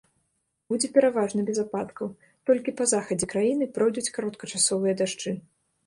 Будзе пераважна без ападкаў, толькі па захадзе краіны пройдуць кароткачасовыя дажджы.